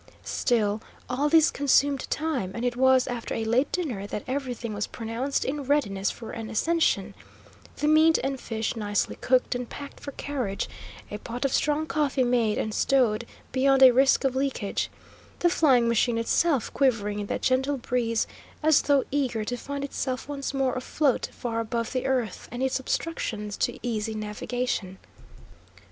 Still, all this consumed time, and it was after a late dinner that everything was pronounced in readiness for an ascension: the meat and fish nicely cooked and packed for carriage, a pot of strong coffee made and stowed beyond risk of leakage, the flying machine itself quivering in that gentle breeze as though eager to find itself once more afloat far above the earth and its obstructions to easy navigation.